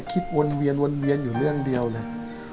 วนเวียนวนเวียนอยู่เรื่องเดียวเลย